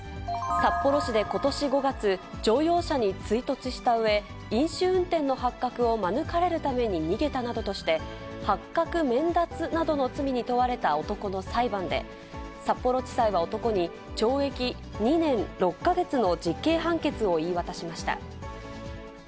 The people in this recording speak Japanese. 札幌市でことし５月、乗用車に追突したうえ、飲酒運転の発覚を免れるために逃げたなどとして、発覚免脱などの罪に問われた男の裁判で、札幌地裁は男に懲役２年６か月の実刑判決を言い渡しました。